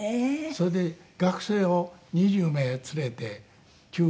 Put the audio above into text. それで学生を２０名連れて中国へ行く。